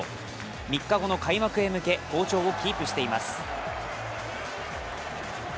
３日後の開幕へ向け、好調をキープしています。